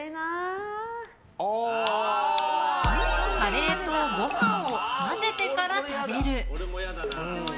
カレーとご飯を混ぜてから食べる。